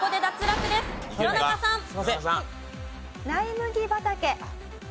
『ライ麦畑』。